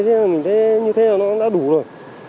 thì mình thấy như thế là nó đã đủ rồi